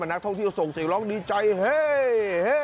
นักท่องเที่ยวส่งเสียงร้องดีใจเฮ้